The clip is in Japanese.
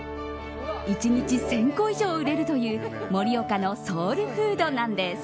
１日１０００個以上売れるという盛岡のソウルフードなんです。